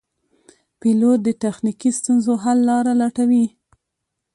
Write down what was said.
پیلوټ د تخنیکي ستونزو حل لاره لټوي.